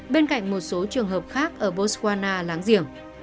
bên cạnh một số trường hợp khác ở boswana láng giềng